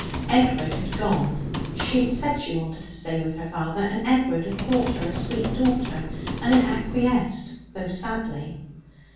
Edward had gone. She had said she wanted to stay with her father, and Edward had thought her a sweet daughter and had acquiesced, though sadly.